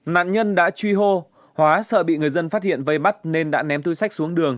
nạn nhân đã truy hô hóa sợ bị người dân phát hiện vây bắt nên đã ném túi sách xuống đường